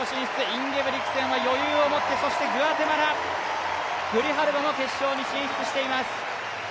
インゲブリクセンは余裕を持って、グアテマラのグリハルバも決勝に進出しています。